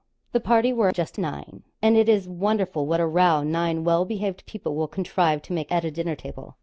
The party were just nine and it is wonderful what a row nine well behaved people will contrive to make at a dinner table.